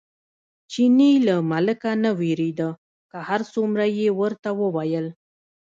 چیني له ملکه نه وېرېده، که هر څومره یې ورته وویل.